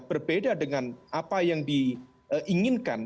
berbeda dengan apa yang diinginkan